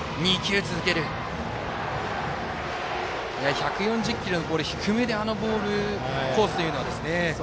１４０キロのボールが低めのコースというのは。